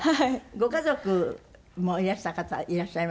ご家族もいらした方いらっしゃいます？